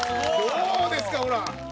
どうですかほら！